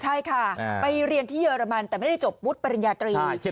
ใช่ค่ะไปเรียนที่เยอรมันแต่ไม่ได้จบวุฒิปริญญาตรี